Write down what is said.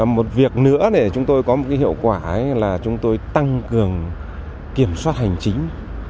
một việc nữa để chúng tôi có một hiệu quả là chúng tôi tăng cường kiểm soát hành chính